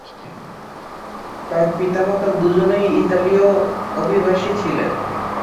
তার পিতামাতা দুজনেই ইতালীয় অভিবাসী ছিলেন।